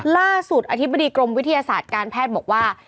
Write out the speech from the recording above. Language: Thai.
อธิบดีกรมวิทยาศาสตร์การแพทย์บอกว่า